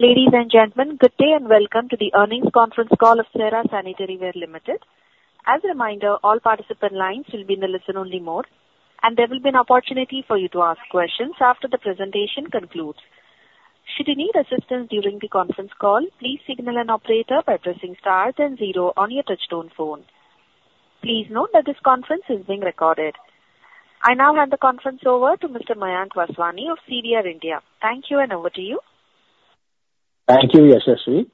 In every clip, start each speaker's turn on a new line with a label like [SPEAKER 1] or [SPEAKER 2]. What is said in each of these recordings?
[SPEAKER 1] Ladies and gentlemen, good day and welcome to the earnings conference call of Cera Sanitaryware Limited. As a reminder, all participant lines will be in the listen-only mode, and there will be an opportunity for you to ask questions after the presentation concludes. Should you need assistance during the conference call, please signal an operator by pressing star and zero on your touch-tone phone. Please note that this conference is being recorded. I now hand the conference over to Mr. Mayank Vaswani of CDR India. Thank you, and over to you.
[SPEAKER 2] Thank you, Yashasvi.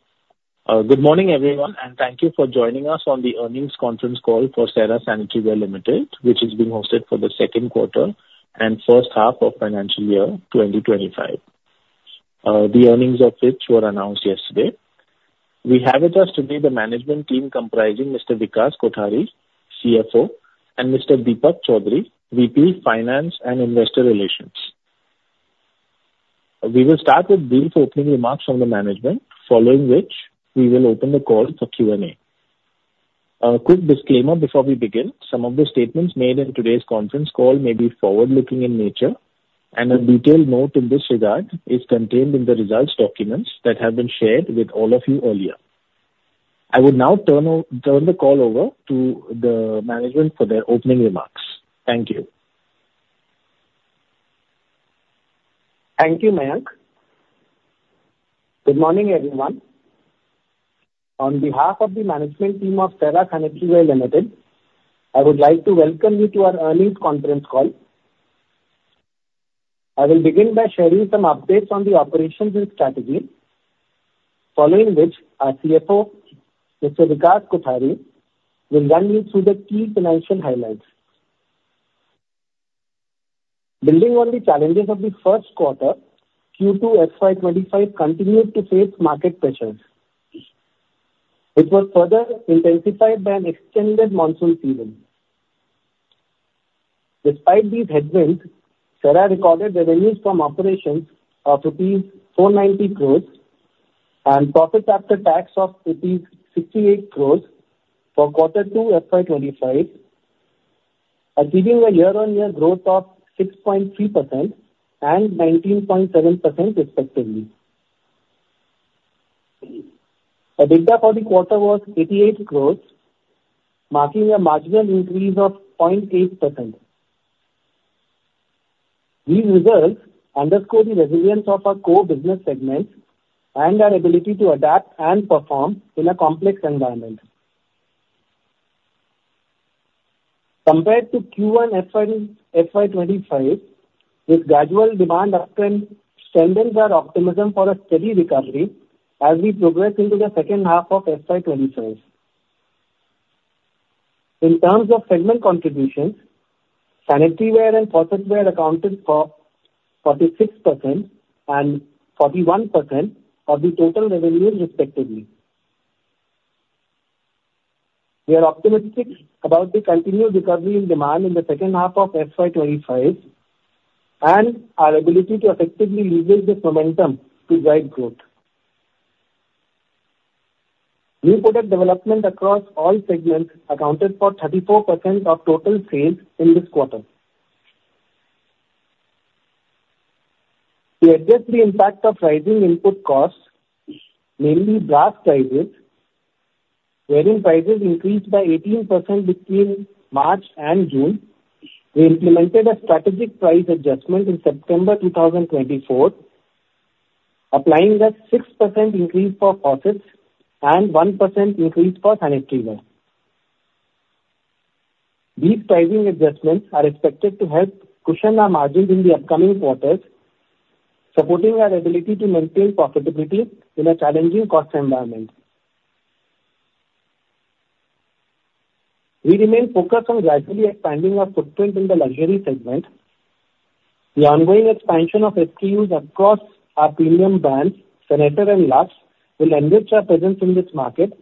[SPEAKER 2] Good morning, everyone, and thank you for joining us on the earnings conference call for Cera Sanitaryware Limited, which is being hosted for the second quarter and first half of financial year 2025, the earnings of which were announced yesterday. We have with us today the management team comprising Mr. Vikas Kothari, CFO, and Mr. Deepak Chaudhary, VP, Finance and Investor Relations. We will start with brief opening remarks from the management, following which we will open the call for Q&A. A quick disclaimer before we begin: some of the statements made in today's conference call may be forward-looking in nature, and a detailed note in this regard is contained in the results documents that have been shared with all of you earlier. I will now turn the call over to the management for their opening remarks. Thank you.
[SPEAKER 3] Thank you, Mayank. Good morning, everyone. On behalf of the management team of Cera Sanitaryware Limited, I would like to welcome you to our earnings conference call. I will begin by sharing some updates on the operations and strategy, following which our CFO, Mr. Vikas Kothari, will run you through the key financial highlights. Building on the challenges of the first quarter, Q2 FY25 continued to face market pressures. It was further intensified by an extended monsoon season. Despite these headwinds, Cera recorded revenues from operations of INR 490 crores and profits after tax of INR 68 crores for Q2 FY25, achieving a year-on-year growth of 6.3% and 19.7%, respectively. EBITDA for the quarter was 88 crores, marking a marginal increase of 0.8%. These results underscore the resilience of our core business segments and our ability to adapt and perform in a complex environment. Compared to Q1 FY25, with gradual demand uptrend, strengthens our optimism for a steady recovery as we progress into the second half of FY25. In terms of segment contributions, sanitaryware and faucetware accounted for 46% and 41% of the total revenues, respectively. We are optimistic about the continued recovery in demand in the second half of FY25 and our ability to effectively leverage this momentum to drive growth. New product development across all segments accounted for 34% of total sales in this quarter. To address the impact of rising input costs, mainly brass prices, brass prices increased by 18% between March and June. We implemented a strategic price adjustment in September 2024, applying a 6% increase for faucets and 1% increase for sanitaryware. These pricing adjustments are expected to help cushion our margins in the upcoming quarters, supporting our ability to maintain profitability in a challenging cost environment. We remain focused on gradually expanding our footprint in the luxury segment. The ongoing expansion of SKUs across our premium brands, Senator and Luxe, will enrich our presence in this market,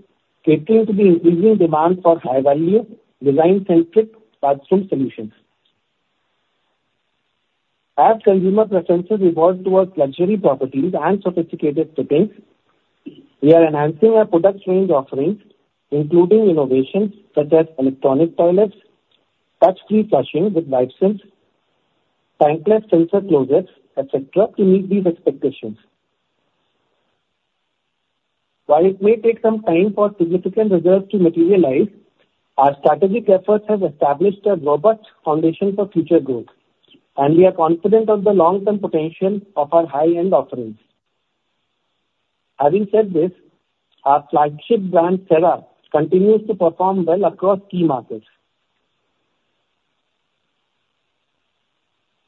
[SPEAKER 3] catering to the increasing demand for high-value, design-centric bathroom solutions. As consumer preferences revolve towards luxury properties and sophisticated fittings, we are enhancing our product range offerings, including innovations such as electronic toilets, touch-free flushing with wipe slips, tankless sensor closets, etc., to meet these expectations. While it may take some time for significant results to materialize, our strategic efforts have established a robust foundation for future growth, and we are confident of the long-term potential of our high-end offerings. Having said this, our flagship brand, Cera, continues to perform well across key markets.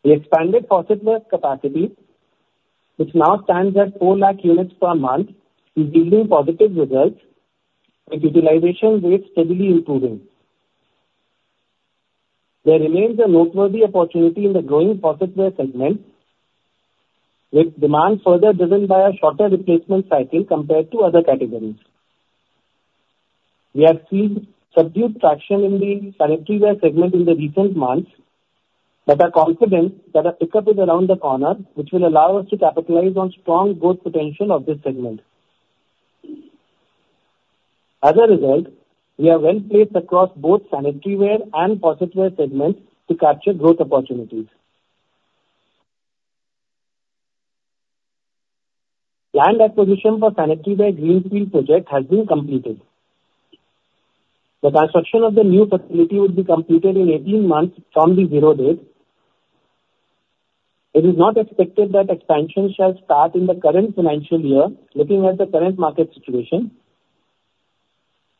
[SPEAKER 3] The expanded faucetware capacity, which now stands at 4 lakh units per month, is yielding positive results, with utilization rates steadily improving. There remains a noteworthy opportunity in the growing faucetware segment, with demand further driven by a shorter replacement cycle compared to other categories. We have seen subdued traction in the sanitaryware segment in the recent months, but are confident that a pickup is around the corner, which will allow us to capitalize on the strong growth potential of this segment. As a result, we are well placed across both sanitaryware and faucetware segments to capture growth opportunities. Land acquisition for the Sanitaryware Greenfield project has been completed. The construction of the new facility will be completed in 18 months from the zero date. It is not expected that expansion shall start in the current financial year, looking at the current market situation.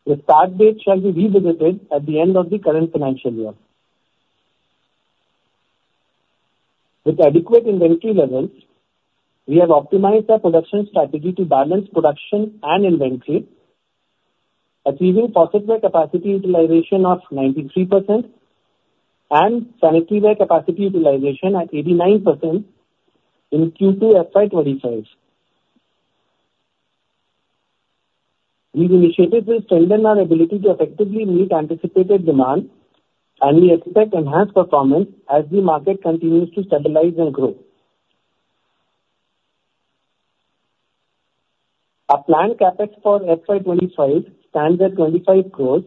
[SPEAKER 3] The start date shall be revisited at the end of the current financial year. With adequate inventory levels, we have optimized our production strategy to balance production and inventory, achieving faucetware capacity utilization of 93% and sanitaryware capacity utilization at 89% in Q2 FY25. These initiatives will strengthen our ability to effectively meet anticipated demand, and we expect enhanced performance as the market continues to stabilize and grow. Our planned CapEx for FY25 stands at 25 crores,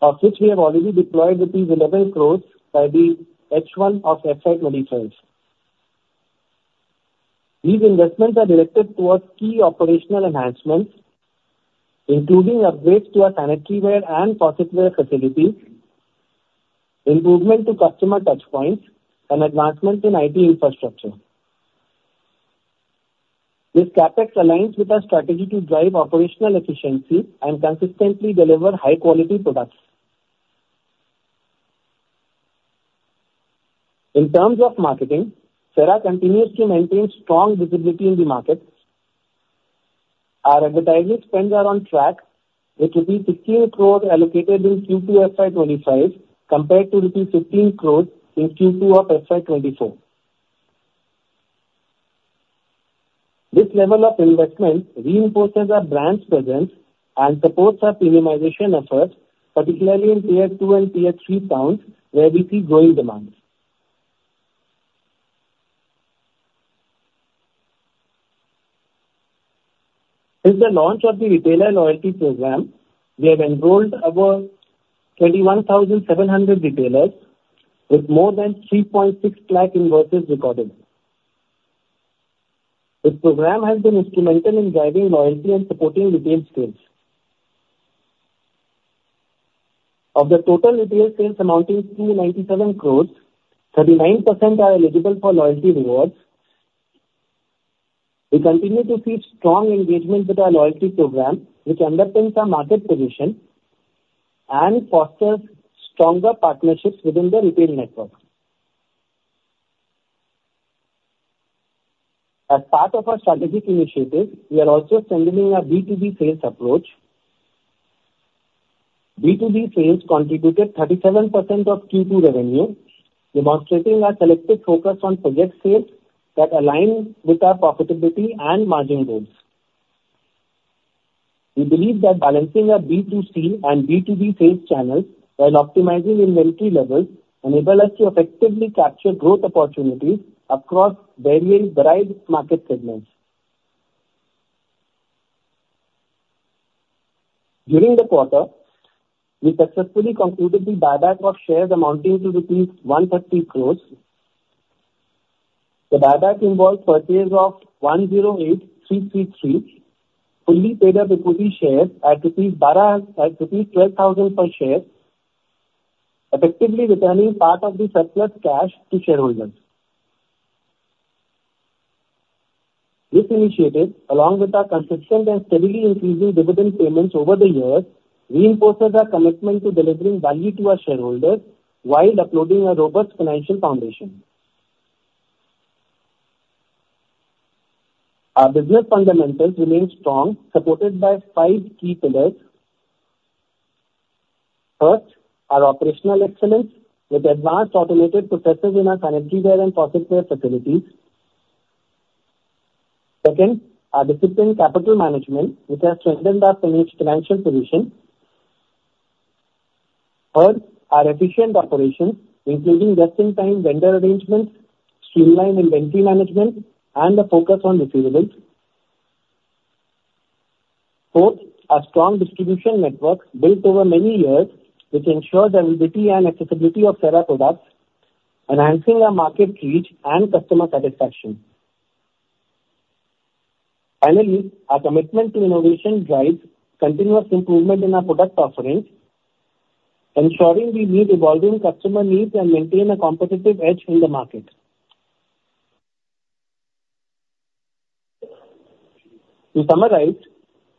[SPEAKER 3] of which we have already deployed with these 11 crores by the H1 of FY25. These investments are directed towards key operational enhancements, including upgrades to our sanitaryware and faucetware facilities, improvement to customer touchpoints, and advancements in IT infrastructure. This CapEx aligns with our strategy to drive operational efficiency and consistently deliver high-quality products. In terms of marketing, Cera continues to maintain strong visibility in the market. Our advertising spends are on track, with INR 15 crores allocated in Q2 FY25 compared to INR 15 crores in Q2 of FY24. This level of investment reinforces our brand's presence and supports our premiumization efforts, particularly in Tier 2 and Tier 3 towns, where we see growing demand. Since the launch of the retailer loyalty program, we have enrolled over 21,700 retailers, with more than 3.6 lakh invoices recorded. This program has been instrumental in driving loyalty and supporting retail sales. Of the total retail sales amounting to 97 crores, 39% are eligible for loyalty rewards. We continue to see strong engagement with our loyalty program, which underpins our market position and fosters stronger partnerships within the retail network. As part of our strategic initiatives, we are also strengthening our B2B sales approach. B2B sales contributed 37% of Q2 revenue, demonstrating our selective focus on project sales that align with our profitability and margin goals. We believe that balancing our B2C and B2B sales channels while optimizing inventory levels enables us to effectively capture growth opportunities across various market segments. During the quarter, we successfully concluded the buyback of shares amounting to rupees 130 crores. The buyback involved purchase of 108,333 fully paid-up equity shares at rupees 12,000 per share, effectively returning part of the surplus cash to shareholders. This initiative, along with our consistent and steadily increasing dividend payments over the years, reinforces our commitment to delivering value to our shareholders while upholding a robust financial foundation. Our business fundamentals remain strong, supported by five key pillars. First, our operational excellence with advanced automated processes in our sanitaryware and faucetware facilities. Second, our disciplined capital management, which has strengthened our financial position. Third, our efficient operations, including just-in-time vendor arrangements, streamlined inventory management, and a focus on reliability. Fourth, our strong distribution network built over many years, which ensures the availability and accessibility of Cera products, enhancing our market reach and customer satisfaction. Finally, our commitment to innovation drives continuous improvement in our product offerings, ensuring we meet evolving customer needs and maintain a competitive edge in the market. To summarize,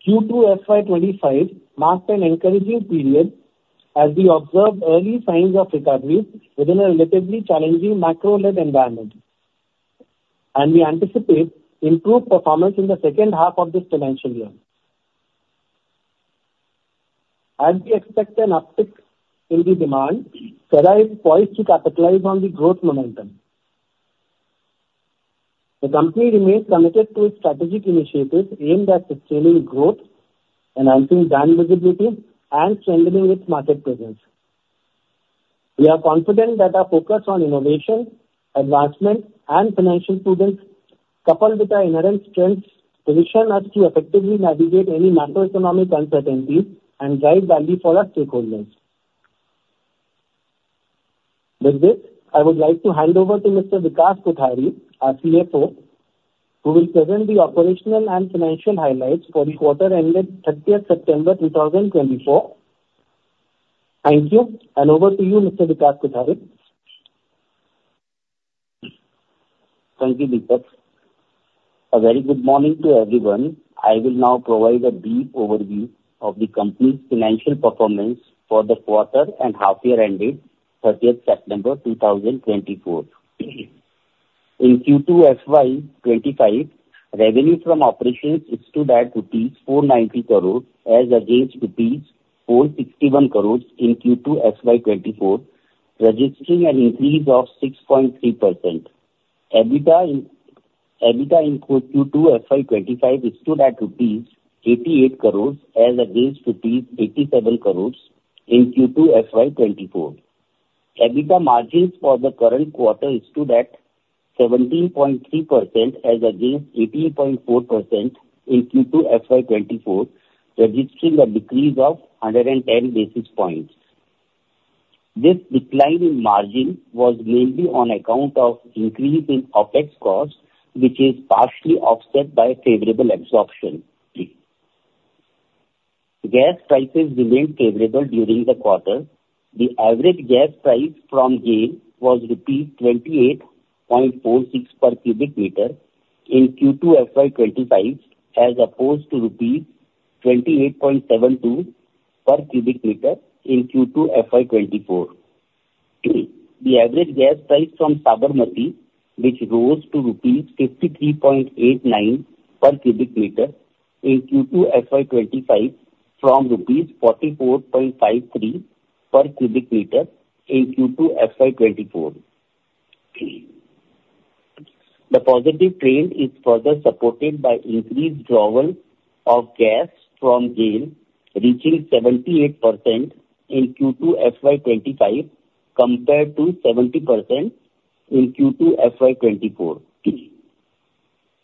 [SPEAKER 3] Q2 FY25 marked an encouraging period as we observed early signs of recovery within a relatively challenging macro-led environment, and we anticipate improved performance in the second half of this financial year. As we expect an uptick in the demand, Cera is poised to capitalize on the growth momentum. The company remains committed to its strategic initiatives aimed at sustaining growth, enhancing brand visibility, and strengthening its market presence. We are confident that our focus on innovation, advancement, and financial prudence, coupled with our inherent strengths, positions us to effectively navigate any macroeconomic uncertainties and drive value for our stakeholders. With this, I would like to hand over to Mr. Vikas Kothari, our CFO, who will present the operational and financial highlights for the quarter ended 30 September 2024. Thank you, and over to you,
[SPEAKER 4] Mr. Vikas Kothari. Thank you, Vikas. A very good morning to everyone. I will now provide a brief overview of the company's financial performance for the quarter and half-year ended 30 September 2024. In Q2 FY25, revenue from operations stood at rupees 490 crores as against rupees 461 crores in Q2 FY24, registering an increase of 6.3%. EBITDA in Q2 FY25 stood at INR 88 crores as against INR 87 crores in Q2 FY24. EBITDA margins for the current quarter stood at 17.3% as against 18.4% in Q2 FY24, registering a decrease of 110 basis points. This decline in margin was mainly on account of an increase in OPEX costs, which is partially offset by favorable absorption. Gas prices remained favorable during the quarter. The average gas price from GAIL was rupees 28.46 per cubic meter in Q2 FY25, as opposed to rupees 28.72 per cubic meter in Q2 FY24. The average gas price from Sabarmati, which rose to 53.89 rupees per cubic meter in Q2 FY25, was 44.53 rupees per cubic meter in Q2 FY24. The positive trend is further supported by an increased drawal of gas from GAIL, reaching 78% in Q2 FY25 compared to 70% in Q2 FY24.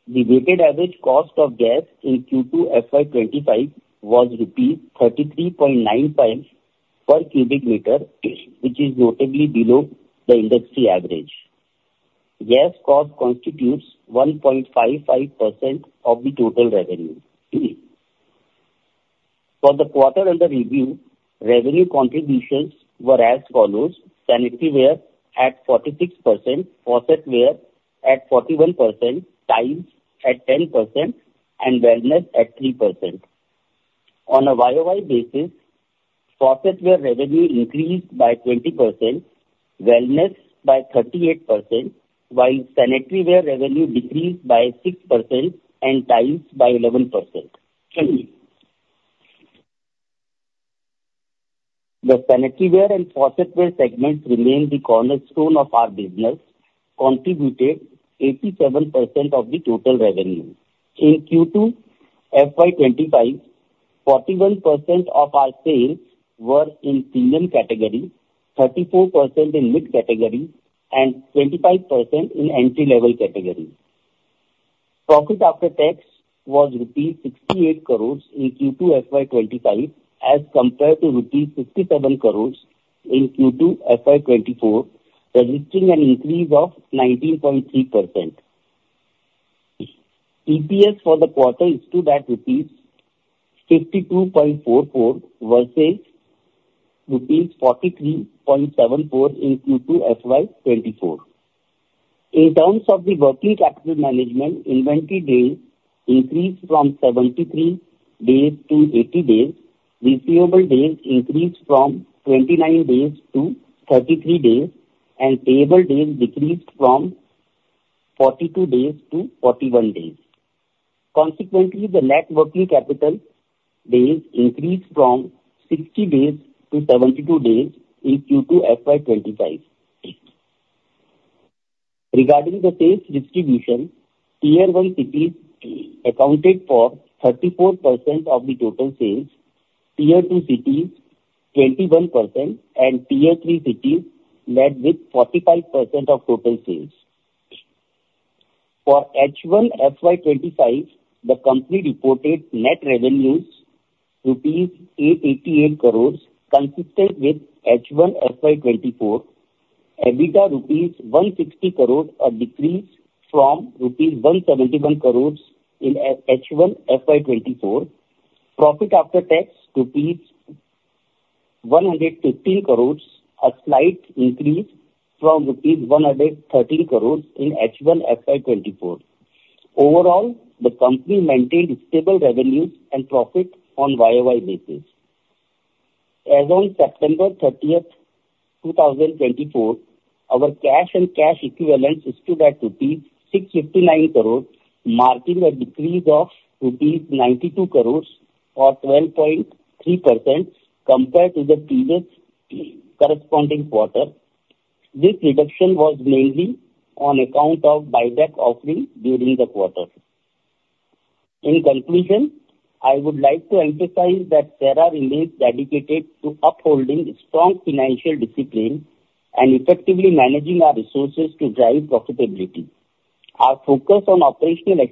[SPEAKER 4] The weighted average cost of gas in Q2 FY25 was rupees 33.95 per cubic meter, which is notably below the industry average. Gas cost constitutes 1.55% of the total revenue. For the quarter-end review, revenue contributions were as follows: sanitaryware at 46%, faucetware at 41%, tiles at 10%, and wellness at 3%. On a YOY basis, faucetware revenue increased by 20%, wellness by 38%, while sanitaryware revenue decreased by 6% and tiles by 11%. The sanitaryware and faucetware segments remain the cornerstone of our business, contributing 87% of the total revenue. In Q2 FY25, 41% of our sales were in premium category, 34% in mid category, and 25% in entry-level category. Profit after tax was rupees 68 crores in Q2 FY25 as compared to rupees 67 crores in Q2 FY24, registering an increase of 19.3%. EPS for the quarter issued at rupees 52.44 versus rupees 43.74 in Q2 FY24. In terms of the working capital management, inventory days increased from 73 days to 80 days, receivable days increased from 29 days to 33 days, and payable days decreased from 42 days to 41 days. Consequently, the net working capital days increased from 60 days to 72 days in Q2 FY25. Regarding the sales distribution, Tier 1 cities accounted for 34% of the total sales, Tier 2 cities 21%, and Tier 3 cities led with 45% of total sales. For H1 FY25, the company reported net revenues INR 888 crores, consistent with H1 FY24. EBITDA INR 160 crores, a decrease from INR 171 crores in H1 FY24. Profit after tax INR 115 crores, a slight increase from INR 113 crores in H1 FY24. Overall, the company maintained stable revenues and profit on YOY basis. As of September 30, 2024, our cash and cash equivalents stood at ₹659 crores, marking a decrease of ₹92 crores or 12.3% compared to the previous corresponding quarter. This reduction was mainly on account of buyback offering during the quarter. In conclusion, I would like to emphasize that Cera remains dedicated to upholding strong financial discipline and effectively managing our resources to drive profitability. Our focus on operational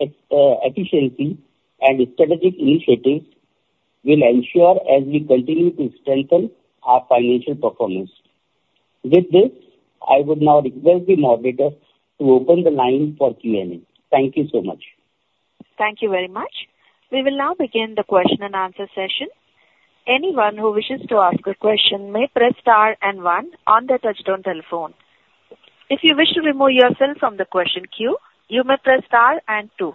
[SPEAKER 4] efficiency and strategic initiatives will ensure as we continue to strengthen our financial performance. With this, I would now request the moderators to open the line for Q&A. Thank you so much.
[SPEAKER 1] Thank you very much. We will now begin the question and answer session. Anyone who wishes to ask a question may press star and one on the touch-tone telephone. If you wish to remove yourself from the question queue, you may press star and two.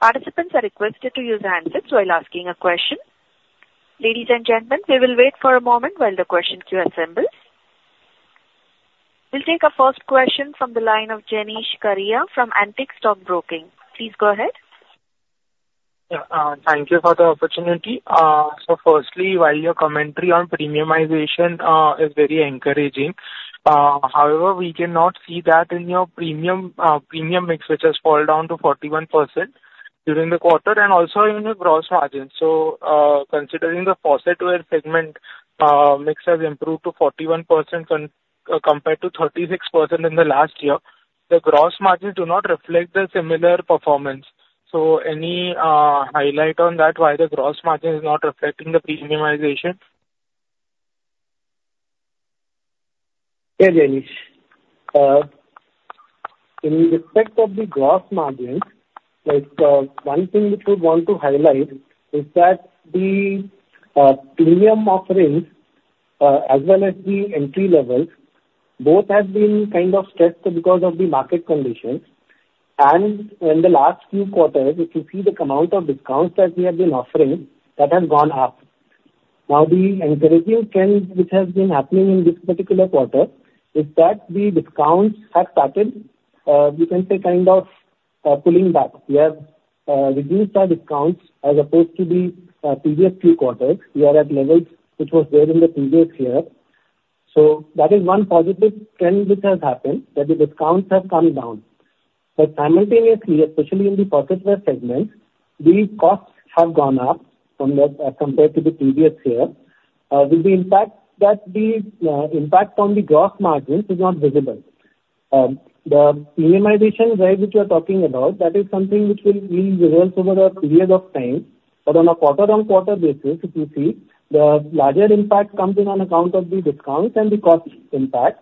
[SPEAKER 1] Participants are requested to use handsets while asking a question. Ladies and gentlemen, we will wait for a moment while the question queue assembles. We'll take a first question from the line of Jenish Karia from Antique Stock Broking. Please go ahead.
[SPEAKER 5] Thank you for the opportunity. So firstly, while your commentary on premiumization is very encouraging, however, we cannot see that in your premium mix, which has fallen down to 41% during the quarter and also in your gross margin. So considering the faucetware segment mix has improved to 41% compared to 36% in the last year, the gross margins do not reflect the similar performance. So any highlight on that, why the gross margin is not reflecting the premiumization?
[SPEAKER 3] Yeah, Janish. In respect of the gross margin, one thing which we want to highlight is that the premium offerings, as well as the entry levels, both have been kind of stressed because of the market conditions. And in the last few quarters, if you see the amount of discounts that we have been offering, that has gone up. Now, the encouraging trend which has been happening in this particular quarter is that the discounts have started, we can say, kind of pulling back. We have reduced our discounts as opposed to the previous few quarters. We are at levels which were there in the previous year. So that is one positive trend which has happened, that the discounts have come down. But simultaneously, especially in the faucetware segment, the costs have gone up compared to the previous year. The impact on the gross margins is not visible. The premiumization rate which we are talking about, that is something which will result over a period of time, but on a quarter-on-quarter basis, if you see, the larger impact comes in on account of the discounts and the cost impact,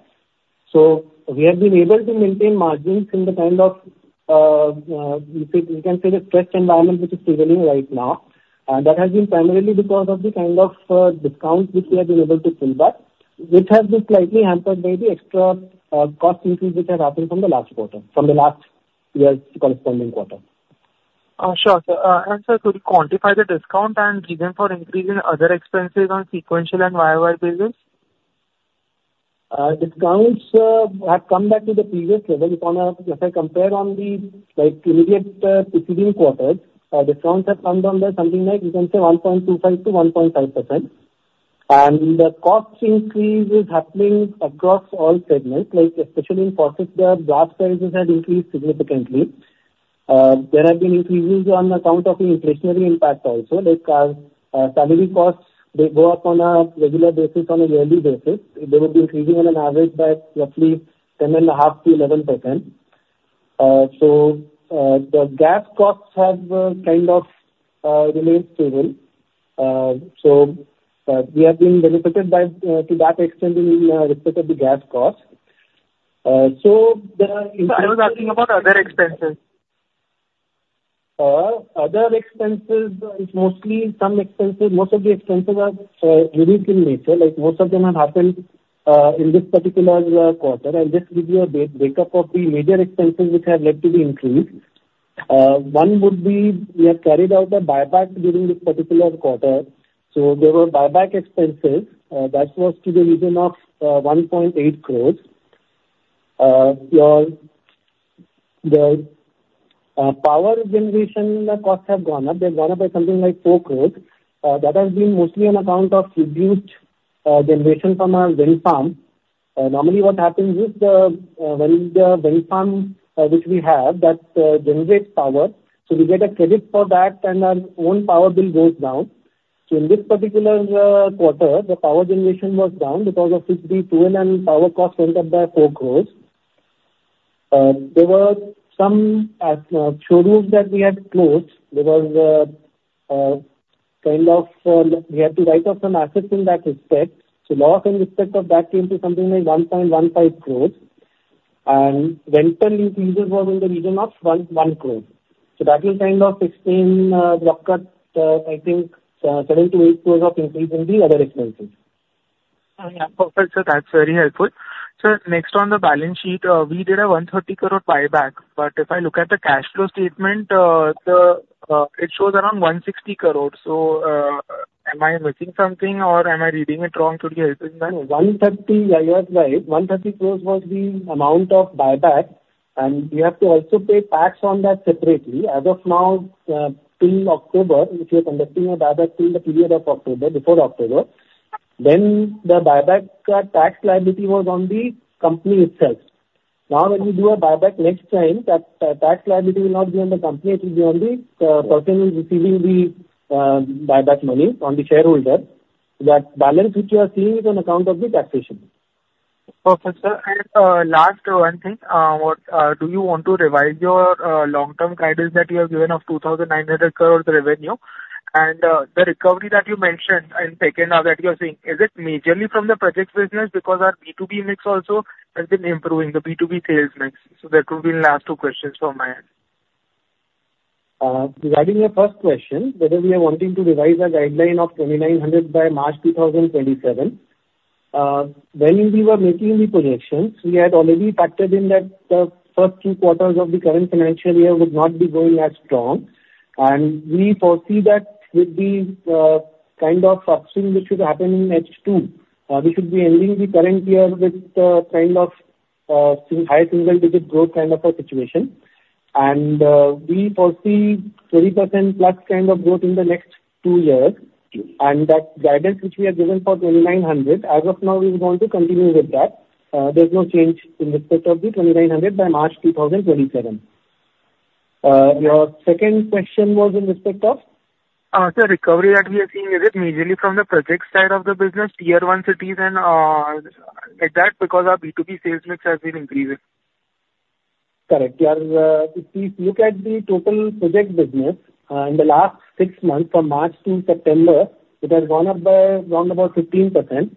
[SPEAKER 3] so we have been able to maintain margins in the kind of, you can say, the stressed environment which is prevailing right now, and that has been primarily because of the kind of discounts which we have been able to pull back, which has been slightly hampered by the extra cost increase which has happened from the last quarter, from the last year's corresponding quarter.
[SPEAKER 5] Sure. So, has the quantity by the discount and reason for increasing other expenses on sequential and YOY basis?
[SPEAKER 3] Discounts have come back to the previous level. If I compare on the immediate preceding quarters, discounts have come down by something like, you can say, 1.25%-1.5%. And the cost increase is happening across all segments, especially in faucetware. Glass prices have increased significantly. There have been increases on account of the inflationary impact also. Salary costs, they go up on a regular basis, on a yearly basis. They will be increasing on an average by roughly 10.5%-11%. So the gas costs have kind of remained stable. So we have been benefited by to that extent in respect of the gas cost. So the.
[SPEAKER 5] I was asking about other expenses. Other expenses, it's mostly some expenses. Most of the expenses are unique in nature. Most of them have happened in this particular quarter. And just give you a breakup of the major expenses which have led to the increase. One would be we have carried out a buyback during this particular quarter. So there were buyback expenses. That was to the region of 1.8 crores. The power generation costs have gone up. They've gone up by something like 4 crores. That has been mostly on account of reduced generation from our wind farm. Normally, what happens is when the wind farm which we have that generates power, so we get a credit for that, and our own power bill goes down. So in this particular quarter, the power generation was down because of the fuel and power costs went up by 4 crores. There were some showrooms that we had closed. There was kind of we had to write off some assets in that respect. So loss in respect of that came to something like 1.15 crore. And rental increases were in the region of 1 crore. So that will kind of explain the uptick, I think, 7-8 crore of increase in the other expenses. Yeah. Perfect. So that's very helpful. So next on the balance sheet, we did an 130 crore buyback. But if I look at the cash flow statement, it shows around 160 crores. So am I missing something or am I reading it wrong to be helping that?
[SPEAKER 3] 130 crores was the amount of buyback. And we have to also pay tax on that separately. As of now, till October, if you're conducting a buyback till the period of October, before October, then the buyback tax liability was on the company itself. Now, when we do a buyback next time, that tax liability will not be on the company. It will be on the person who's receiving the buyback money, on the shareholder. That balance which you are seeing is on account of the taxation.
[SPEAKER 5] Perfect, and last one thing. Do you want to revise your long-term guidance that you have given of 2,900 crores revenue? And the recovery that you mentioned in second half that you are seeing, is it majorly from the project business because our B2B mix also has been improving, the B2B sales mix, so that would be the last two questions from my end.
[SPEAKER 3] Regarding your first question, whether we are wanting to revise our guideline of 2,900 by March 2027, when we were making the projections, we had already factored in that the first two quarters of the current financial year would not be going as strong. And we foresee that with the kind of upswing which should happen in H2, we should be ending the current year with kind of high single-digit growth kind of a situation. And we foresee 30% plus kind of growth in the next two years. And that guidance which we have given for 2,900, as of now, we are going to continue with that. There's no change in respect of the 2,900 by March 2027. Your second question was in respect of?
[SPEAKER 5] The recovery that we are seeing, is it majorly from the project side of the business, Tier 1 cities and like that, because our B2B sales mix has been increasing?
[SPEAKER 3] Correct. If you look at the total project business in the last six months from March to September, it has gone up by around about 15%.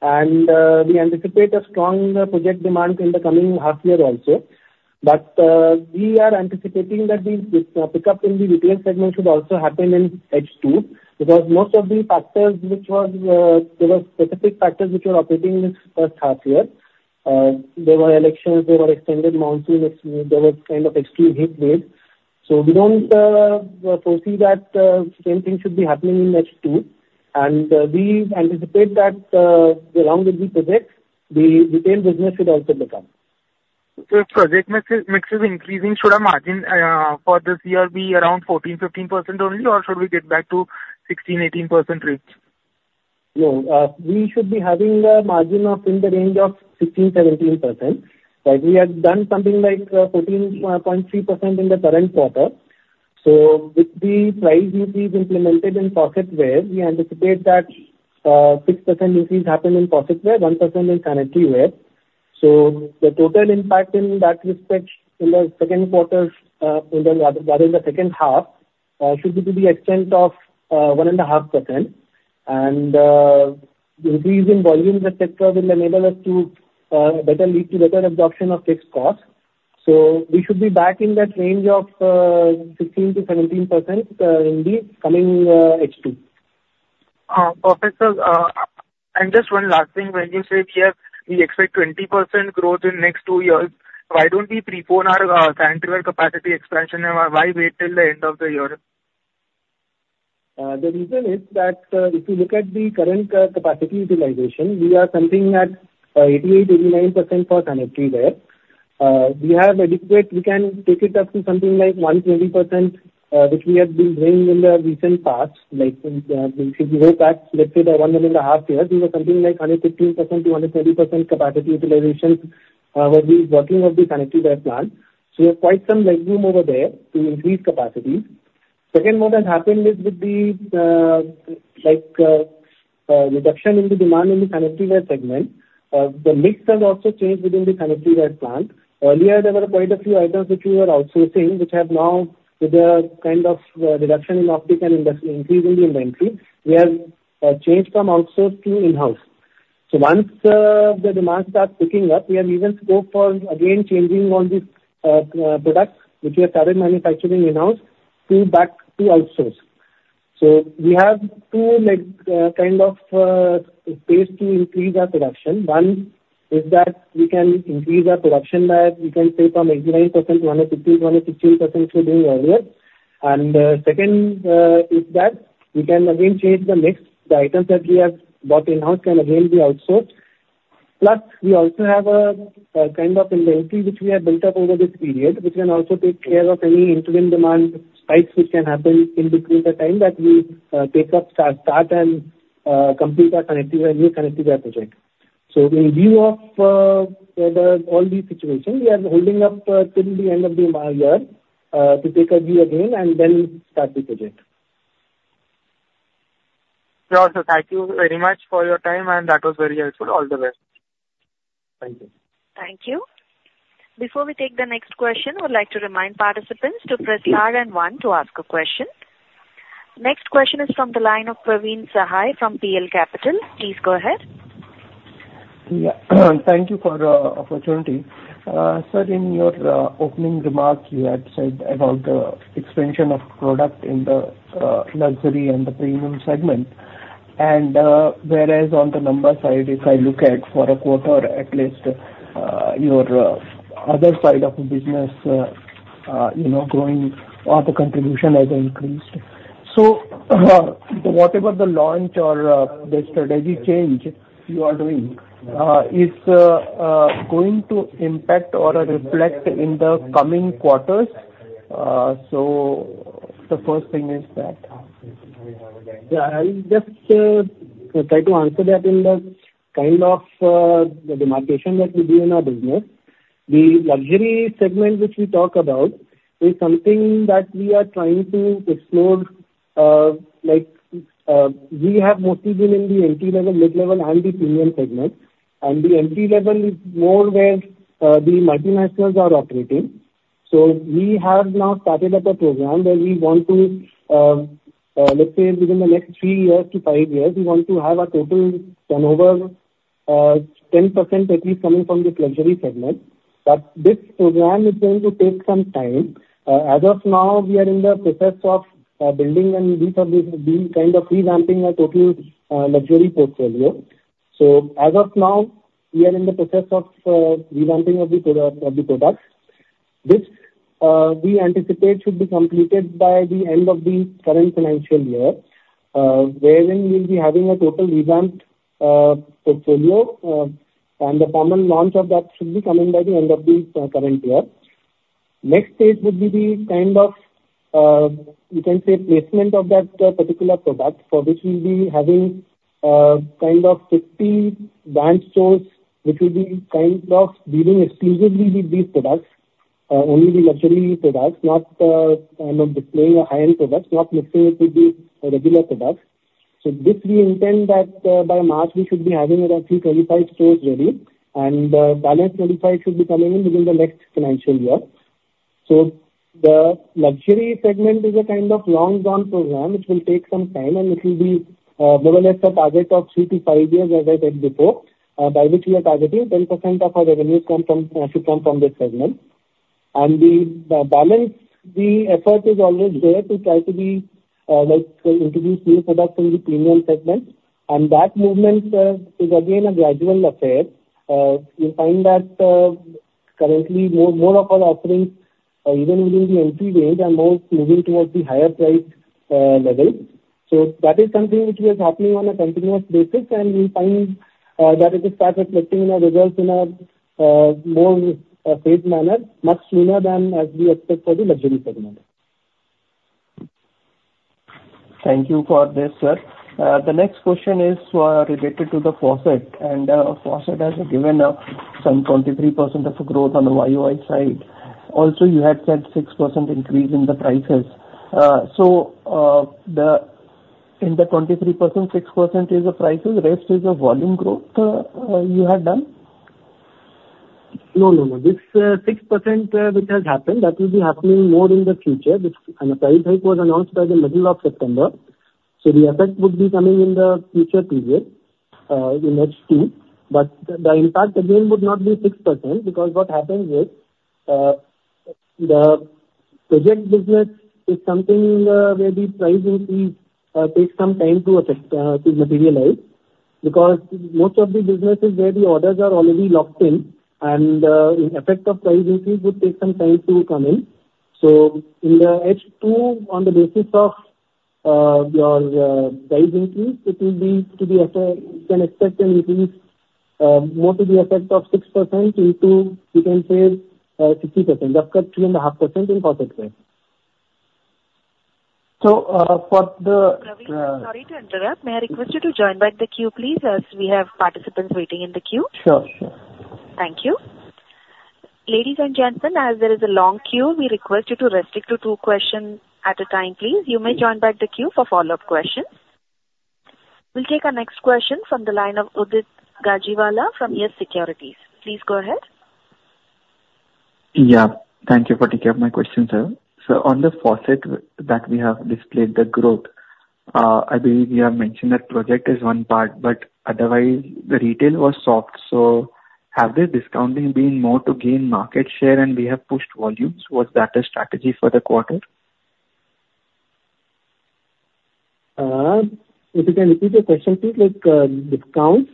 [SPEAKER 3] And we anticipate a strong project demand in the coming half year also. But we are anticipating that the pickup in the retail segment should also happen in H2 because most of the factors which were there were specific factors which were operating this first half year. There were elections, there were extended monsoons, there was kind of extreme heat wave. So we don't foresee that the same thing should be happening in H2. And we anticipate that along with the projects, the retail business should also pick up.
[SPEAKER 5] So project mix is increasing. Should our margin for this year be around 14%-15% only, or should we get back to 16%-18% rates?
[SPEAKER 3] No. We should be having a margin of in the range of 16%-17%. We have done something like 14.3% in the current quarter. So with the price increase implemented in faucetware, we anticipate that 6% increase happened in faucetware, 1% in sanitaryware. So the total impact in that respect in the second quarter, rather in the second half, should be to the extent of 1.5%. And the increase in volume etc. will enable us to better lead to better absorption of fixed costs. So we should be back in that range of 15%-17% in the coming H2.
[SPEAKER 5] Perfect. And just one last thing. When you say we expect 20% growth in the next two years, why don't we prepone our sanitaryware capacity expansion and why wait till the end of the year?
[SPEAKER 3] The reason is that if you look at the current capacity utilization, we are something at 88-89% for sanitaryware. We have adequate. We can take it up to something like 120%, which we have been doing in the recent past. If you go back, let's say the one and a half years, we were something like 115% to 120% capacity utilization while we were working on the sanitaryware plant. So we have quite some legroom over there to increase capacity. Second, what has happened is with the reduction in the demand in the sanitaryware segment, the mix has also changed within the sanitaryware plant. Earlier, there were quite a few items which we were outsourcing, which have now, with the kind of reduction in optics and increase in the inventory, we have changed from outsource to in-house. So once the demand starts picking up, we have even scope for, again, changing all these products which we have started manufacturing in-house to back to outsource. So we have two kind of ways to increase our production. One is that we can increase our production by, we can say, from 89% to 115%-116% we were doing earlier. And second is that we can again change the mix. The items that we have bought in-house can again be outsourced. Plus, we also have a kind of inventory which we have built up over this period, which can also take care of any interim demand spikes which can happen in between the time that we start and complete our sanitaryware, new sanitaryware project. So in view of all these situations, we are holding up till the end of the year to take a view again and then start the project.
[SPEAKER 5] Sure. So thank you very much for your time. And that was very helpful. All the best.
[SPEAKER 3] Thank you.
[SPEAKER 1] Thank you. Before we take the next question, I would like to remind participants to press star and one to ask a question. Next question is from the line of Praveen Sahai from PL Capital. Please go ahead.
[SPEAKER 6] Yeah. Thank you for the opportunity. Sir, in your opening remarks, you had said about the expansion of product in the luxury and the premium segment. And whereas on the number side, if I look at for a quarter, at least your other side of the business growing, or the contribution has increased. So whatever the launch or the strategy change you are doing, is it going to impact or reflect in the coming quarters? So the first thing is that.
[SPEAKER 3] Yeah. I'll just try to answer that in the kind of demarcation that we do in our business. The luxury segment which we talk about is something that we are trying to explore. We have mostly been in the entry-level, mid-level, and the premium segment. And the entry-level is more where the multinationals are operating. So we have now started up a program where we want to, let's say, within the next three years to five years, we want to have a total turnover of 10% at least coming from this luxury segment. But this program is going to take some time. As of now, we are in the process of building and kind of revamping our total luxury portfolio. So as of now, we are in the process of revamping of the products. This we anticipate should be completed by the end of the current financial year, wherein we'll be having a total revamped portfolio, and the formal launch of that should be coming by the end of the current year. Next stage would be the kind of, you can say, placement of that particular product for which we'll be having kind of 50 brand stores which will be kind of dealing exclusively with these products, only the luxury products, not kind of displaying high-end products, not mixing it with the regular products, so this we intend that by March, we should be having roughly 25 stores ready, and the balance 25 should be coming in within the next financial year, so the luxury segment is a kind of long-term program, which will take some time. And it will be more or less a target of three to five years, as I said before, by which we are targeting 10% of our revenues should come from this segment. And the balance, the effort is always there to try to introduce new products in the premium segment. And that movement is again a gradual affair. You find that currently more of our offerings, even within the entry range, are more moving towards the higher price level. So that is something which is happening on a continuous basis. And we find that it is start reflecting in our results in a more straight manner, much sooner than as we expect for the luxury segment.
[SPEAKER 6] Thank you for this, sir. The next question is related to the faucet. And faucet has given some 23% of growth on the YOY side. Also, you had said 6% increase in the prices. So in the 23%, 6% is the prices. Rest is the volume growth you had done?
[SPEAKER 3] No, no, no. This 6% which has happened, that will be happening more in the future. This kind of price hike was announced by the middle of September, so the effect would be coming in the future period in H2, but the impact again would not be 6% because what happens is the project business is something where the price increase takes some time to materialize because most of the businesses where the orders are already locked in, and the effect of price increase would take some time to come in, so in the H2, on the basis of your price increase, it will be to the effect you can expect an increase more to the effect of 6% into, you can say, 60%, up to 3.5% in faucetware.
[SPEAKER 6] So for the.
[SPEAKER 1] Praveen, sorry to interrupt. May I request you to join back the queue, please, as we have participants waiting in the queue?
[SPEAKER 6] Sure, sure.
[SPEAKER 1] Thank you. Ladies and gentlemen, as there is a long queue, we request you to restrict to two questions at a time, please. You may join back the queue for follow-up questions. We'll take our next question from the line of Udit Gajiwala from YES Securities. Please go ahead.
[SPEAKER 7] Yeah. Thank you for taking up my question, sir. So on the faucet that we have displayed, the growth, I believe you have mentioned that project is one part. But otherwise, the retail was soft. So have the discounting been more to gain market share and we have pushed volumes? Was that a strategy for the quarter?
[SPEAKER 3] If you can repeat your question, please. Discounts?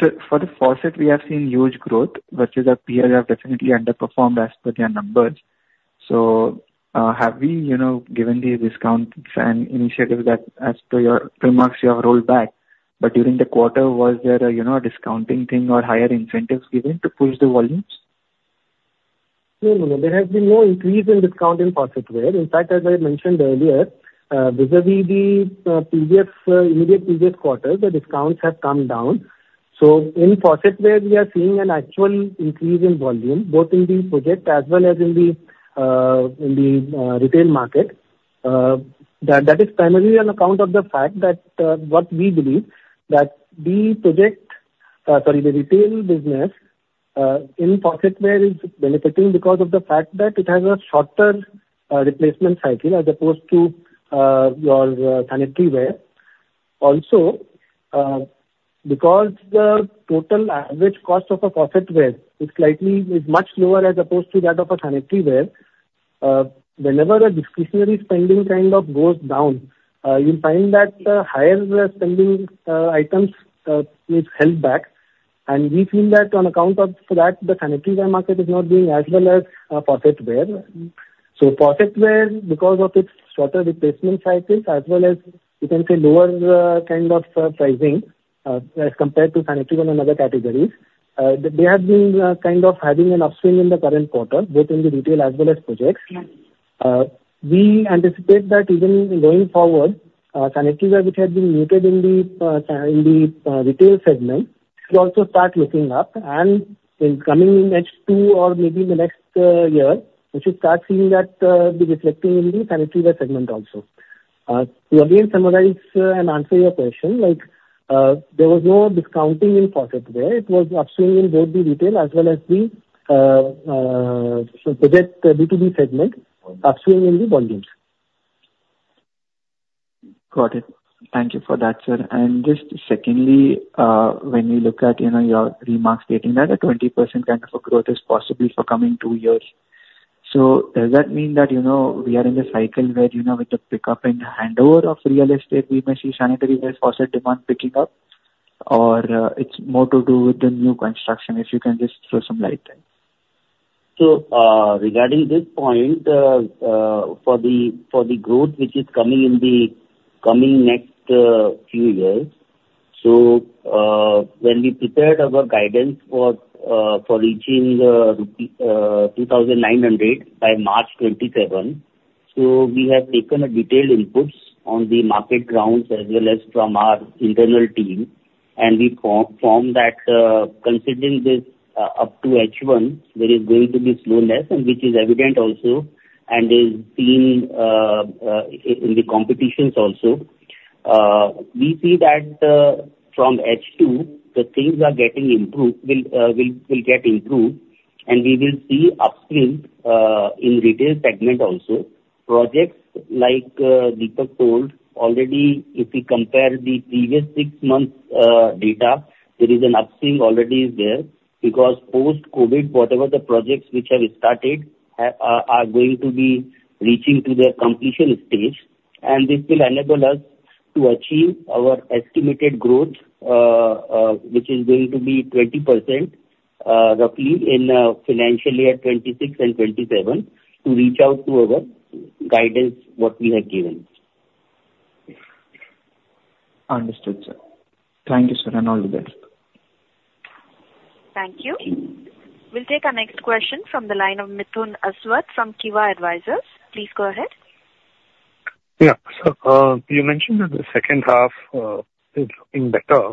[SPEAKER 7] So for the faucet, we have seen huge growth, which has apparently definitely underperformed as per their numbers. So have we given the discounts and initiatives that as per your remarks, you have rolled back. But during the quarter, was there a discounting thing or higher incentives given to push the volumes?
[SPEAKER 3] No, no, no. There has been no increase in discount in faucetware. In fact, as I mentioned earlier, vis-à-vis the immediate previous quarter, the discounts have come down. So in faucetware, we are seeing an actual increase in volume, both in the project as well as in the retail market. That is primarily on account of the fact that what we believe that the project, sorry, the retail business in faucetware is benefiting because of the fact that it has a shorter replacement cycle as opposed to your sanitaryware. Also, because the total average cost of a faucetware is slightly much lower as opposed to that of a sanitaryware, whenever the discretionary spending kind of goes down, you'll find that the higher spending items is held back. And we feel that on account of that, the sanitaryware market is not doing as well as faucetware. So faucetware, because of its shorter replacement cycle, as well as, you can say, lower kind of pricing as compared to sanitaryware and other categories, they have been kind of having an upswing in the current quarter, both in the retail as well as projects. We anticipate that even going forward, sanitaryware which had been muted in the retail segment should also start looking up. And in coming in H2 or maybe in the next year, we should start seeing that be reflecting in the sanitaryware segment also. To again summarize and answer your question, there was no discounting in faucetware. It was upswing in both the retail as well as the project B2B segment, upswing in the volumes.
[SPEAKER 7] Got it. Thank you for that, sir. And just secondly, when you look at your remarks stating that a 20% kind of a growth is possible for coming two years, so does that mean that we are in a cycle where with the pickup and handover of real estate, we may see sanitaryware faucet demand picking up? Or it's more to do with the new construction, if you can just throw some light there?
[SPEAKER 3] Regarding this point, for the growth which is coming in the coming next few years, when we prepared our guidance for reaching 2,900 by March 2027, we have taken a detailed input on the market trends as well as from our internal team. We found that considering this up to H1, there is going to be slowness, which is evident also and is seen in the competitors also. We see that from H2, the things will get improved. We will see upswing in the retail segment also. Projects, like Deepak told, already if we compare the previous six months' data, there is an upswing already there because post-COVID, whatever the projects which have started are going to be reaching to their completion stage. This will enable us to achieve our estimated growth, which is going to be 20% roughly in financial year 2026 and 2027, to reach out to our guidance, what we have given.
[SPEAKER 7] Understood, sir. Thank you, sir. And all the best.
[SPEAKER 1] Thank you. We'll take our next question from the line of Mithun Aswath from Kivah Advisors. Please go ahead.
[SPEAKER 8] Yeah. So you mentioned that the second half is looking better.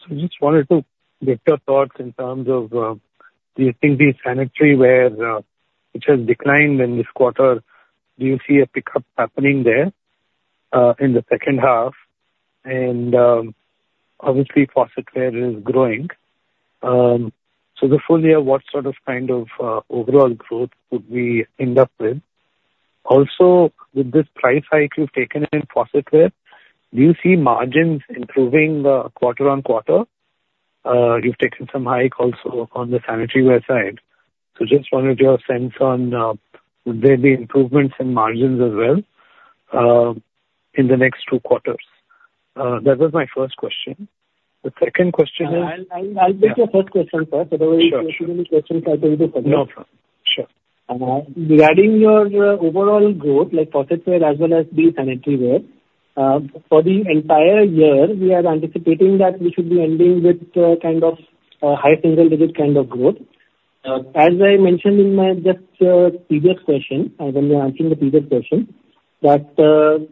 [SPEAKER 8] So I just wanted to get your thoughts in terms of do you think the sanitaryware, which has declined in this quarter, do you see a pickup happening there in the second half? And obviously, faucetware is growing. So the full year, what sort of kind of overall growth would we end up with? Also, with this price hike you've taken in faucetware, do you see margins improving quarter on quarter? You've taken some hike also on the sanitaryware side. So just wanted your sense on, would there be improvements in margins as well in the next two quarters? That was my first question. The second question is.
[SPEAKER 3] I'll take your first question, sir. So the way you should ask any questions, I'll take the second.
[SPEAKER 8] No, sir.
[SPEAKER 3] Sure. Regarding your overall growth, like faucetware as well as the sanitaryware, for the entire year, we are anticipating that we should be ending with kind of high single-digit kind of growth. As I mentioned in my just previous question, when we were answering the previous question, that the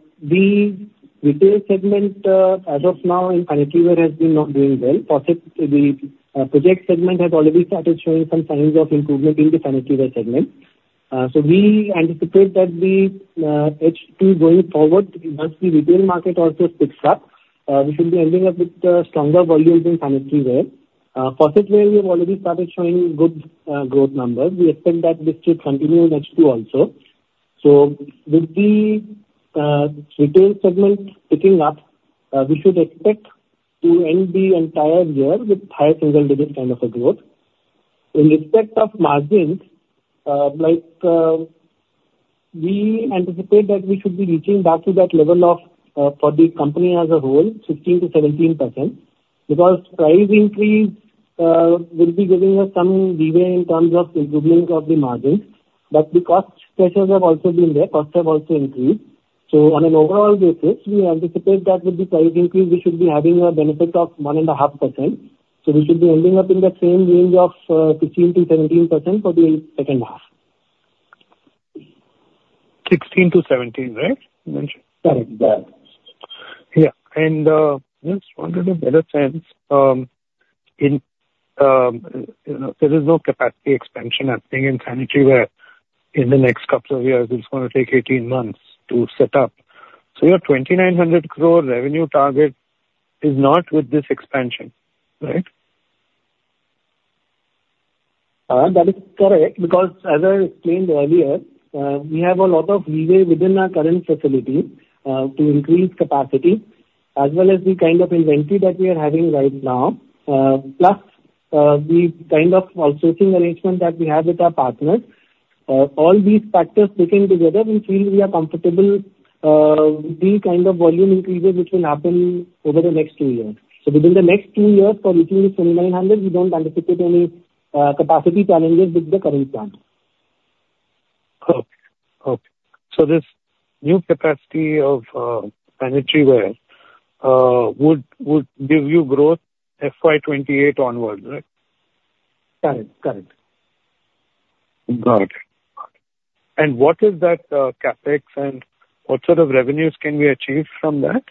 [SPEAKER 3] retail segment as of now in sanitaryware has been not doing well. The project segment has already started showing some signs of improvement in the sanitaryware segment. So we anticipate that the H2 going forward, once the retail market also picks up, we should be ending up with stronger volumes in sanitaryware. Faucetware we have already started showing good growth numbers. We expect that this should continue in H2 also. So with the retail segment picking up, we should expect to end the entire year with higher single-digit kind of a growth. In respect of margins, we anticipate that we should be reaching back to that level for the company as a whole, 15%-17%, because price increase will be giving us some leeway in terms of improvement of the margins. But the cost pressures have also been there. Costs have also increased. So on an overall basis, we anticipate that with the price increase, we should be having a benefit of 1.5%. So we should be ending up in that same range of 15%-17% for the second half.
[SPEAKER 8] 16 to 17, right?
[SPEAKER 3] Correct. Yeah.
[SPEAKER 8] Yeah, and just wanted a better sense. There is no capacity expansion happening in sanitaryware in the next couple of years. It's going to take 18 months to set up, so your 2,900 crore revenue target is not with this expansion, right?
[SPEAKER 3] That is correct because, as I explained earlier, we have a lot of leeway within our current facility to increase capacity, as well as the kind of inventory that we are having right now. Plus, the kind of outsourcing arrangement that we have with our partners, all these factors taken together, we feel we are comfortable with the kind of volume increases which will happen over the next two years. So within the next two years for reaching the 2,900, we don't anticipate any capacity challenges with the current plan.
[SPEAKER 8] Okay. So this new capacity of sanitaryware would give you growth FY 28 onward, right?
[SPEAKER 3] Correct. Correct.
[SPEAKER 8] Got it, and what is that CapEx and what sort of revenues can we achieve from that?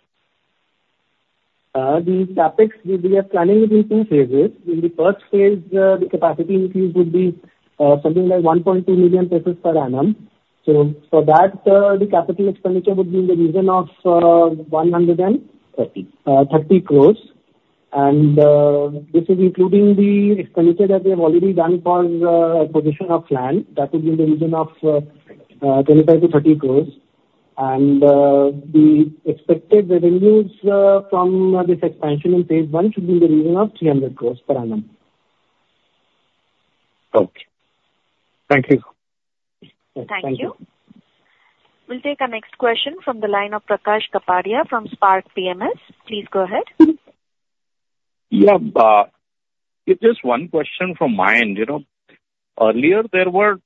[SPEAKER 3] The CapEx we are planning within two phases. In the first phase, the capacity increase would be something like 1.2 million pieces per annum, so for that, the capital expenditure would be in the region of 130 crores, and this is including the expenditure that we have already done for acquisition of land. That would be in the region of 25-30 crores, and the expected revenues from this expansion in phase one should be in the region of 300 crores per annum.
[SPEAKER 8] Okay. Thank you.
[SPEAKER 2] Thank you. We'll take our next question from the line of Prakash Kapadia from Spark PMS. Please go ahead.
[SPEAKER 9] Yeah. Just one question from my end. Earlier, there were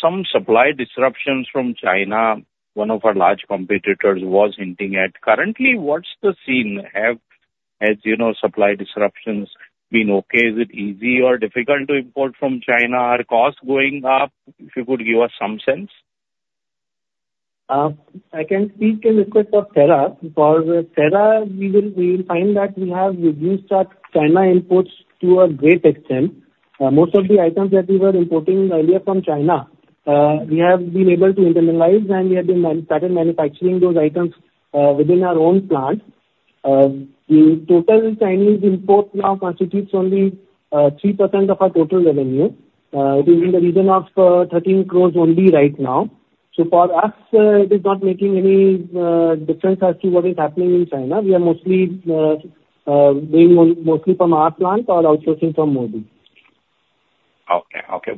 [SPEAKER 9] some supply disruptions from China. One of our large competitors was hinting at. Currently, what's the scene? Have supply disruptions been okay? Is it easy or difficult to import from China? Are costs going up? If you could give us some sense.
[SPEAKER 3] I can speak in the case of Cera. For Cera, we will find that we have reduced our China imports to a great extent. Most of the items that we were importing earlier from China, we have been able to internalize, and we have been started manufacturing those items within our own plant. The total Chinese import now constitutes only 3% of our total revenue. It is in the region of 13 crores only right now. So for us, it is not making any difference as to what is happening in China. We are mostly doing from our plant or outsourcing from Morbi.
[SPEAKER 9] Okay. Okay,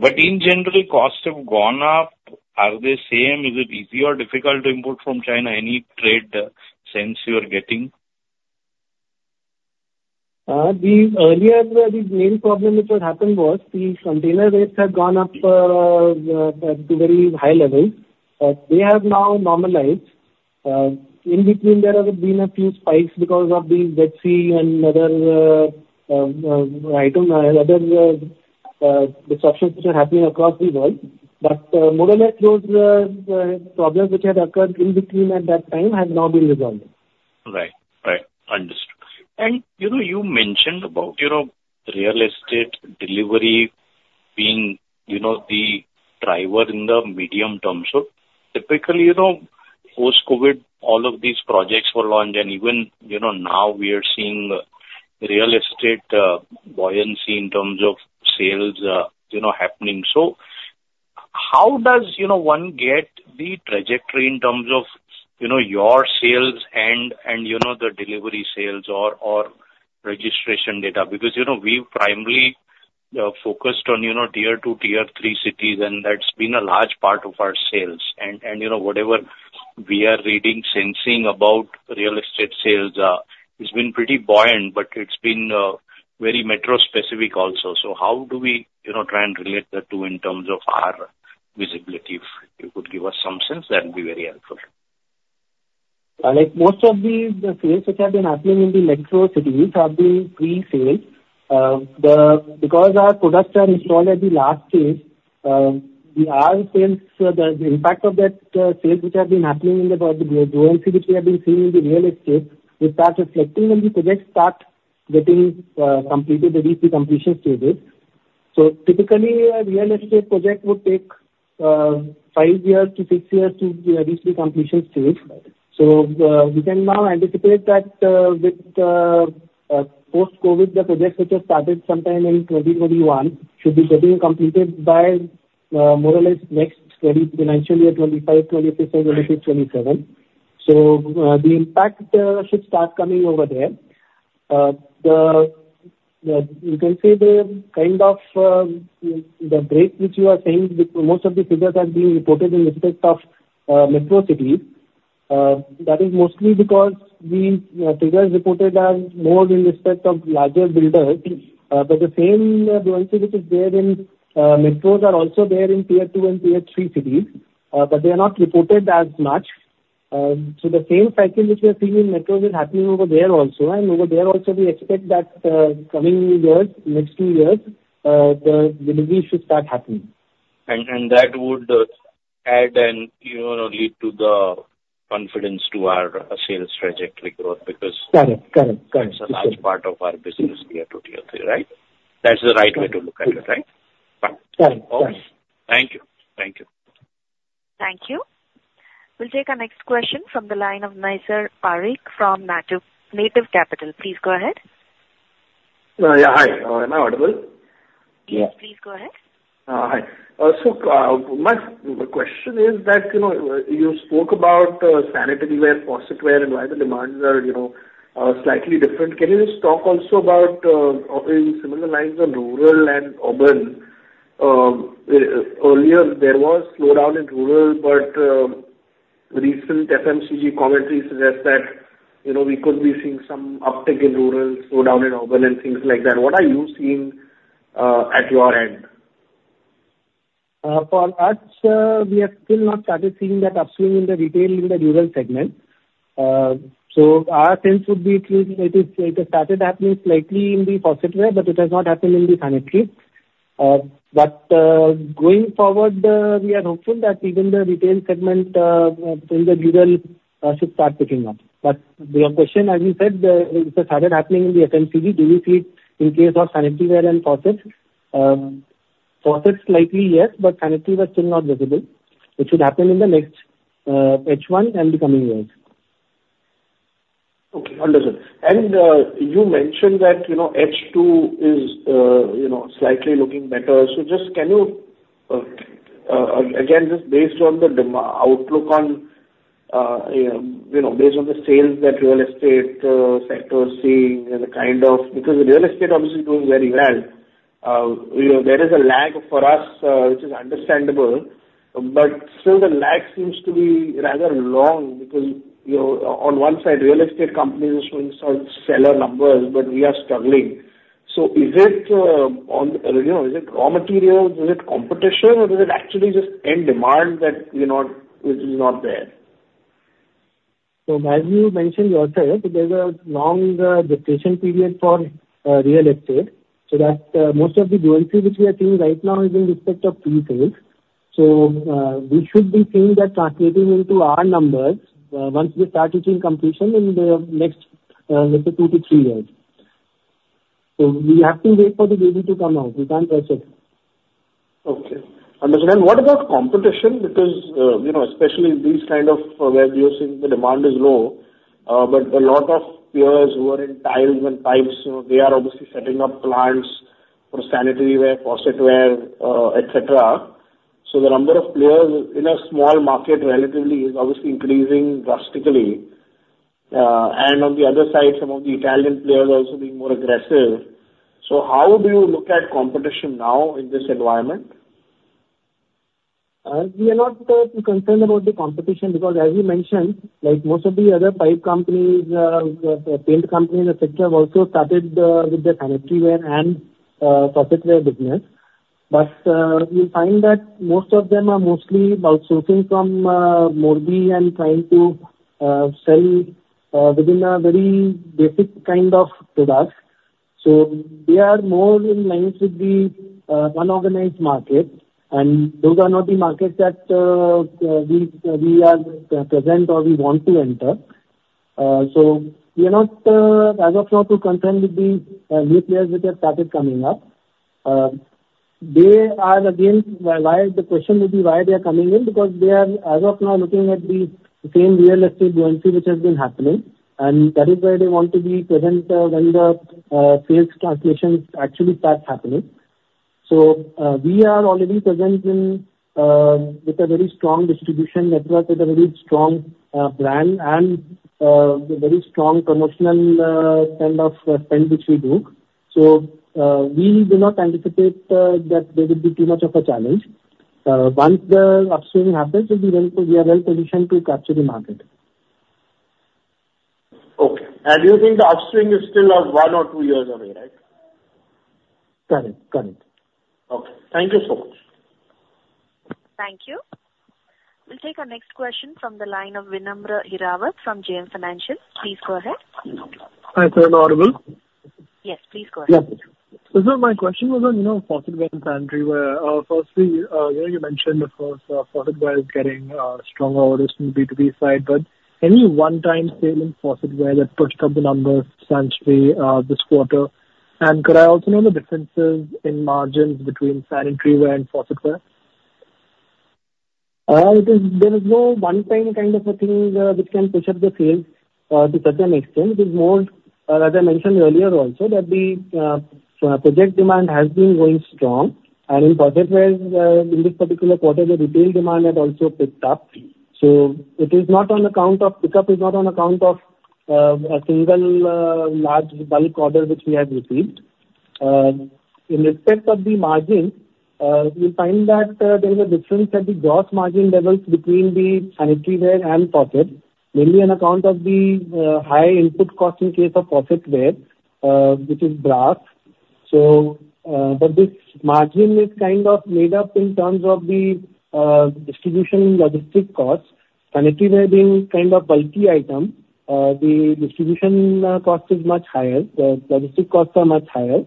[SPEAKER 9] but in general, costs have gone up. Are they same? Is it easy or difficult to import from China? Any trade sense you are getting?
[SPEAKER 3] Earlier, the main problem which had happened was the container rates had gone up to very high levels. They have now normalized. In between, there have been a few spikes because of the Red Sea and other disruptions which are happening across the world. But more or less, those problems which had occurred in between at that time have now been resolved.
[SPEAKER 9] Right. Right. Understood, and you mentioned about real estate delivery being the driver in the medium term. So typically, post-COVID, all of these projects were launched, and even now, we are seeing real estate buoyancy in terms of sales happening. So how does one get the trajectory in terms of your sales and the delivery sales or registration data? Because we've primarily focused on Tier 2, Tier 3 cities, and that's been a large part of our sales, and whatever we are reading, sensing about real estate sales has been pretty buoyant, but it's been very metro-specific also. So how do we try and relate the two in terms of our visibility? If you could give us some sense, that would be very helpful.
[SPEAKER 3] Most of the sales which have been happening in the metro cities have been pre-sales. Because our products are installed at the last phase, the impact of that sales which have been happening in the growth, the growth which we have been seeing in the real estate, will start reflecting when the projects start getting completed at the completion stages. So typically, a real estate project would take five years to six years to reach the completion stage. So we can now anticipate that with post-COVID, the projects which have started sometime in 2021 should be getting completed by more or less next financial year, 2025, 2026, or 2026, 2027. So the impact should start coming over there. You can see the kind of the break which you are saying, most of the figures have been reported in respect of metro cities. That is mostly because the figures reported are more in respect of larger builders. But the same growth which is there in metros are also there in Tier 2 and Tier 3 cities, but they are not reported as much. So the same cycle which we are seeing in metros is happening over there also. And over there also, we expect that coming years, next two years, the delivery should start happening.
[SPEAKER 9] And that would add and lead to the confidence to our sales trajectory growth because.
[SPEAKER 3] Correct. Correct. Correct.
[SPEAKER 9] It's a large part of our business here, right? That's the right way to look at it, right?
[SPEAKER 3] Correct. Correct.
[SPEAKER 9] Okay. Thank you. Thank you.
[SPEAKER 1] Thank you. We'll take our next question from the line of Nysar Parikh from Native Capital. Please go ahead.
[SPEAKER 10] Yeah. Hi. Am I audible?
[SPEAKER 9] Yes.
[SPEAKER 1] Yes. Please go ahead.
[SPEAKER 10] Hi. So, my question is that you spoke about sanitaryware, faucetware, and why the demands are slightly different. Can you just talk also about, in similar lines, on rural and urban? Earlier, there was slowdown in rural, but recent FMCG commentary suggests that we could be seeing some uptick in rural, slowdown in urban, and things like that. What are you seeing at your end?
[SPEAKER 3] For us, we have still not started seeing that upswing in the retail in the rural segment. So our sense would be it has started happening slightly in the faucetware, but it has not happened in the sanitary. But going forward, we are hopeful that even the retail segment in the rural should start picking up. But your question, as you said, it has started happening in the FMCG. Do we see it in case of sanitaryware and faucets? Faucets slightly, yes, but sanitaryware is still not visible. It should happen in the next H1 and the coming years.
[SPEAKER 9] Okay. Understood. And you mentioned that H2 is slightly looking better. So just can you, again, just based on the outlook based on the sales that real estate sector is seeing and the kind of because real estate obviously is doing very well. There is a lag for us, which is understandable. But still, the lag seems to be rather long because on one side, real estate companies are showing stellar numbers, but we are struggling. So is it raw materials? Is it competition? Or is it actually just end demand that is not there? So as you mentioned earlier, there's a long gestation period for real estate. So most of the growth which we are seeing right now is in respect of pre-sales. So we should be seeing that translating into our numbers once we start reaching completion in the next, let's say, two to three years. So we have to wait for the data to come out. We can't rush it. Okay. Understood. And what about competition? Because especially these kind of where you're seeing the demand is low, but a lot of players who are in tiles and pipes, they are obviously setting up plants for sanitaryware, faucetware, etc. So the number of players in a small market relatively is obviously increasing drastically. And on the other side, some of the Italian players are also being more aggressive. So how do you look at competition now in this environment?
[SPEAKER 3] We are not concerned about the competition because, as you mentioned, most of the other pipe companies, paint companies in the sector have also started with the sanitaryware and faucetware business. But you'll find that most of them are mostly outsourcing from Morbi and trying to sell within a very basic kind of product. So they are more in line with the unorganized market. And those are not the markets that we are present or we want to enter. So we are not, as of now, too concerned with the new players which have started coming up. They are, again, why the question would be why they are coming in? Because they are, as of now, looking at the same real estate growth which has been happening. And that is where they want to be present when the sales transactions actually start happening. So we are already present with a very strong distribution network, with a very strong brand, and a very strong promotional kind of spend which we do. So we do not anticipate that there would be too much of a challenge. Once the upswing happens, we are well positioned to capture the market.
[SPEAKER 9] Okay. And you think the upswing is still one or two years away, right?
[SPEAKER 3] Correct. Correct.
[SPEAKER 9] Okay. Thank you so much.
[SPEAKER 1] Thank you. We'll take our next question from the line of Vinamra Hirawat from JM Financial. Please go ahead.
[SPEAKER 11] Hi. Can I know audible?
[SPEAKER 1] Yes. Please go ahead.
[SPEAKER 11] Yes. This is my question was on faucetware and sanitaryware. Firstly, you mentioned of course faucetware is getting stronger orders from the B2B side. But any one-time sale in faucetware that pushed up the numbers of sanitaryware this quarter? And could I also know the differences in margins between sanitaryware and faucetware?
[SPEAKER 3] There is no one-time kind of a thing which can push up the sales to such an extent. It is more, as I mentioned earlier also, that the project demand has been going strong, and in faucetware, in this particular quarter, the retail demand had also picked up, so it is not on account of a single large bulk order which we have received. In respect of the margin, you'll find that there is a difference at the gross margin levels between the sanitaryware and faucetware, mainly on account of the high input cost in case of faucetware, which is brass. But this margin is kind of made up in terms of the distribution logistic costs. Sanitaryware being kind of bulky item, the distribution cost is much higher. The logistic costs are much higher.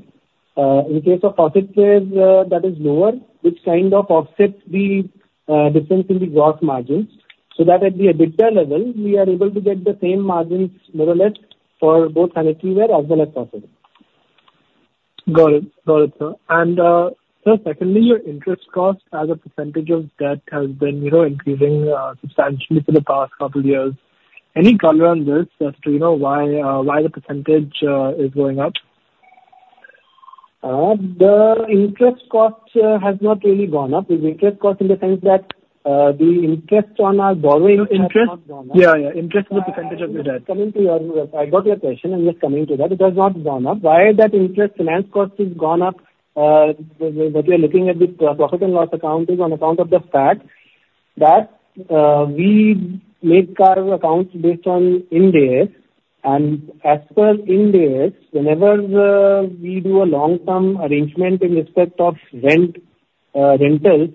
[SPEAKER 3] In case of faucetware, that is lower, which kind of offsets the difference in the gross margins. So that at the EBITDA level, we are able to get the same margins more or less for both sanitaryware as well as faucetware.
[SPEAKER 11] Got it. Got it, sir. And secondly, your interest cost as a percentage of debt has been increasing substantially for the past couple of years. Any color on this as to why the percentage is going up?
[SPEAKER 3] The interest cost has not really gone up. The interest cost in the sense that the interest on our borrowing has not gone up.
[SPEAKER 11] Interest? Yeah, yeah. Interest is a percentage of your debt.
[SPEAKER 3] I got your question. I'm just coming to that. It has not gone up. Why that interest finance cost has gone up, what we are looking at with profit and loss account is on account of the fact that we make our accounts based on Ind AS, and as per Ind AS, whenever we do a long-term arrangement in respect of rentals,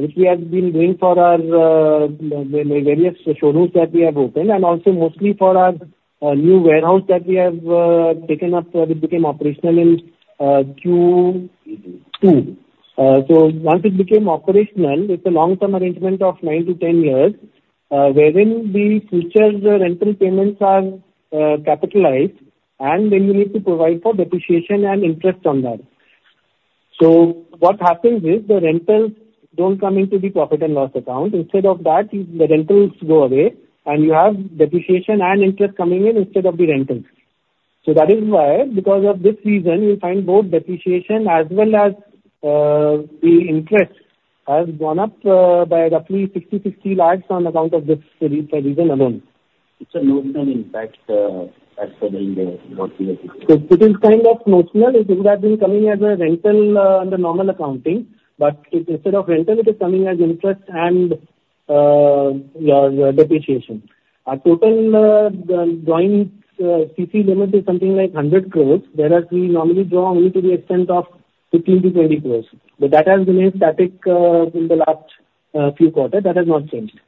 [SPEAKER 3] which we have been doing for our various showrooms that we have opened, and also mostly for our new warehouse that we have taken up, which became operational in Q2, so once it became operational, it's a long-term arrangement of nine to 10 years wherein the future rental payments are capitalized, and then you need to provide for depreciation and interest on that, so what happens is the rentals don't come into the profit and loss account. Instead of that, the rentals go away, and you have depreciation and interest coming in instead of the rentals. So that is why, because of this reason, you'll find both depreciation as well as the interest has gone up by roughly 60, 60 lakhs on account of this reason alone.
[SPEAKER 9] It's a notional impact as per Ind AS.
[SPEAKER 3] It is kind of notional. It would have been coming as a rental under normal accounting, but instead of rental, it is coming as interest and your depreciation. Our total joint CC limit is something like 100 crores, whereas we normally draw only to the extent of 15-20 crores. But that has remained static in the last few quarters. That has not changed.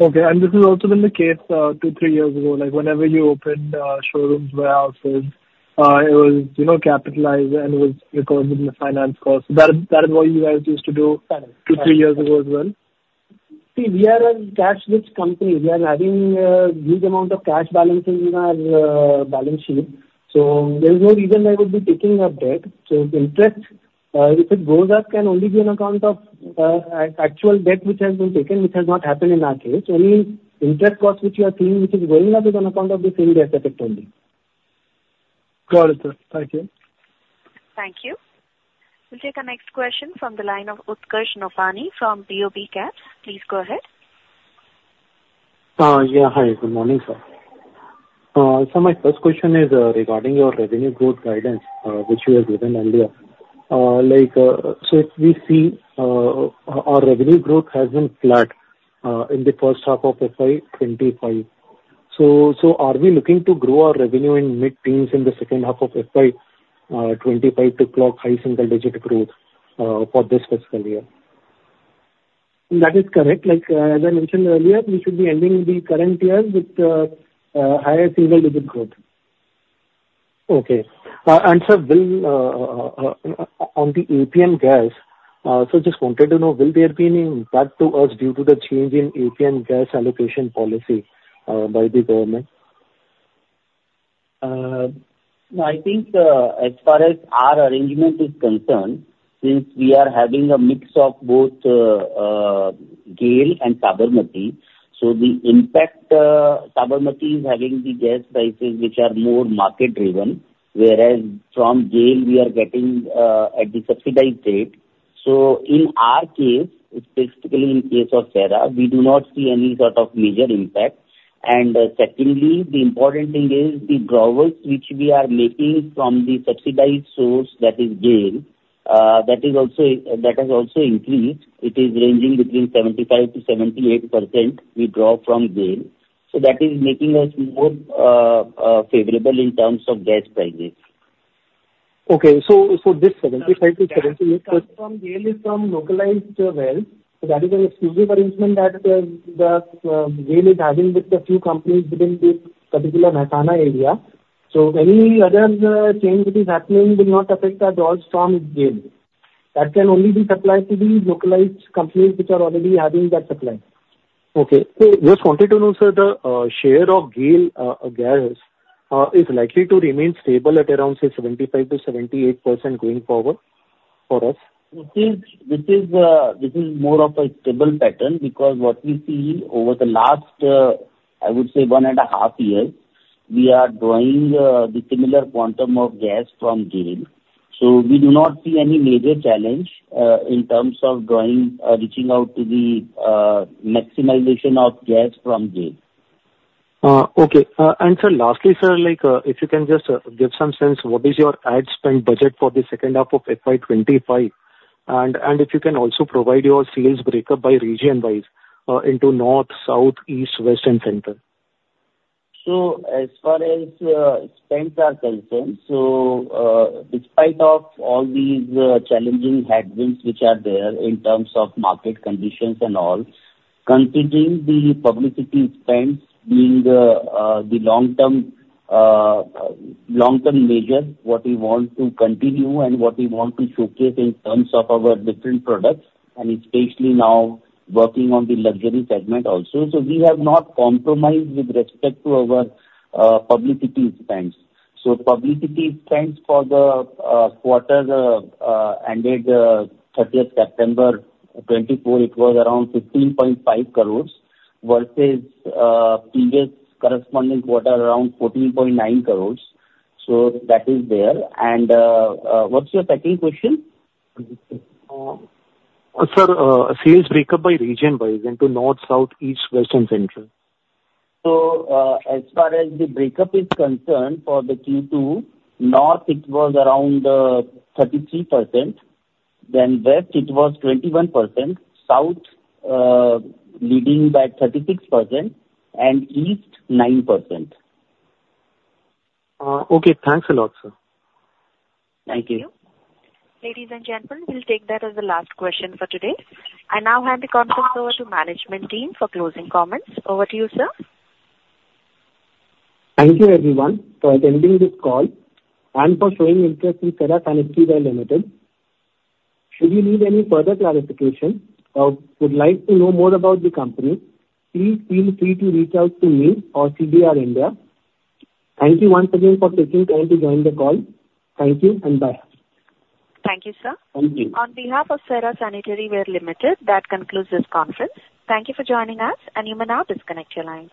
[SPEAKER 11] Okay. And this has also been the case two, three years ago. Whenever you opened showrooms, warehouses, it was capitalized and was recorded in the finance cost. That is what you guys used to do two, three years ago as well?
[SPEAKER 3] See, we are a cash-rich company. We are having a huge amount of cash balance in our balance sheet. So there is no reason why we would be taking up debt. So interest, if it goes up, can only be on account of actual debt which has been taken, which has not happened in our case. Only interest cost which you are seeing which is going up is on account of this Ind AS effect only.
[SPEAKER 11] Got it, sir. Thank you.
[SPEAKER 1] Thank you. We'll take our next question from the line of Utkarsh Nopany from BOB Caps. Please go ahead.
[SPEAKER 12] Yeah. Hi. Good morning, sir. So my first question is regarding your revenue growth guidance which you have given earlier. So if we see our revenue growth has been flat in the first half of FY 25. So are we looking to grow our revenue in mid-teens in the second half of FY 25 to clock high single-digit growth for this fiscal year?
[SPEAKER 3] That is correct. As I mentioned earlier, we should be ending the current year with higher single-digit growth.
[SPEAKER 12] Okay. Sir, on the APM gas, so I just wanted to know, will there be any impact to us due to the change in APM gas allocation policy by the government?
[SPEAKER 3] I think as far as our arrangement is concerned, since we are having a mix of both GAIL and Sabarmati, so the impact Sabarmati is having the gas prices which are more market-driven, whereas from GAIL we are getting at the subsidized rate. So in our case, specifically in the case of Cera, we do not see any sort of major impact. And secondly, the important thing is the draw which we are making from the subsidized source that is GAIL, that has also increased. It is ranging between 75% to 78% we draw from GAIL. So that is making us more favorable in terms of gas prices.
[SPEAKER 12] Okay. So this 75 to 78%.
[SPEAKER 3] Gas from GAIL is from localized wells. So that is an exclusive arrangement that GAIL is having with a few companies within the particular Naroda area. So any other change which is happening will not affect our gas from GAIL. That can only be applied to the localized companies which are already having that supply.
[SPEAKER 12] Okay. So just wanted to know, sir, the share of GAIL gas is likely to remain stable at around, say, 75%-78% going forward for us?
[SPEAKER 3] This is more of a stable pattern because what we see over the last, I would say, one and a half years, we are drawing the similar quantum of gas from GAIL. So we do not see any major challenge in terms of reaching out to the maximization of gas from GAIL.
[SPEAKER 12] Okay. And sir, lastly, sir, if you can just give some sense, what is your ad spend budget for the second half of FY 25? And if you can also provide your sales breakup by region-wise into north, south, east, west, and center?
[SPEAKER 3] So as far as spends are concerned, so despite all these challenging headwinds which are there in terms of market conditions and all, considering the publicity spends being the long-term measure, what we want to continue and what we want to showcase in terms of our different products, and especially now working on the luxury segment also, so we have not compromised with respect to our publicity spends. So publicity spends for the quarter ended 30th September 2024, it was around 15.5 crores versus previous corresponding quarter around 14.9 crores. So that is there. And what's your second question?
[SPEAKER 12] Sir, sales breakup by region-wise into north, south, east, west, and central?
[SPEAKER 3] As far as the breakdown is concerned, for the Q2, north, it was around 33%. Then west, it was 21%. South, leading by 36%. And east, 9%.
[SPEAKER 12] Okay. Thanks a lot, sir.
[SPEAKER 3] Thank you.
[SPEAKER 1] Thank you. Ladies and gentlemen, we'll take that as the last question for today. I now hand the conference over to management team for closing comments. Over to you, sir.
[SPEAKER 3] Thank you, everyone, for attending this call and for showing interest in Cera Sanitaryware Limited. Should you need any further clarification or would like to know more about the company, please feel free to reach out to me or CDR India. Thank you once again for taking time to join the call. Thank you and bye.
[SPEAKER 1] Thank you, sir.
[SPEAKER 3] Thank you.
[SPEAKER 1] On behalf of Cera Sanitaryware Limited, that concludes this conference. Thank you for joining us, and you may now disconnect your line.